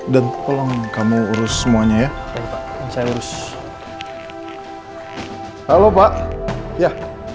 dan tolong kamu urus semuanya ya saya urus halo pak ya